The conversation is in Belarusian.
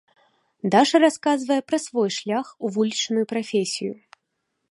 Даша расказвае пра свой шлях у вулічную прафесію.